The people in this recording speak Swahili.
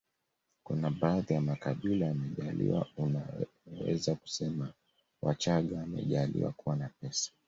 kuna baadhi ya makabila wamejaaliwa unaweza kusema wachaga wamejaaliwa kuwa na pesa